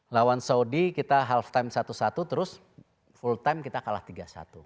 lawan saudi kita half time satu satu terus full time kita kalah tiga satu